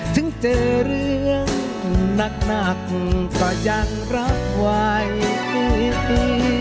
ถึงเจอเรื่องหนักก็ยังรับไว้